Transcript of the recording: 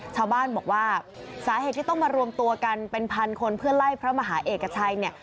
ชาวบ้านบอกว่าสาเหตุที่ต้องมารวมตัวกันเป็นพันคนเพื่อไล่พระมหาเอกชัยเนี่ย